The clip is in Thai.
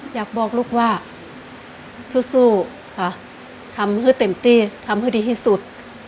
อยากบอกลูกว่าสู้ค่ะทำให้เต็มที่ทำให้ดีที่สุด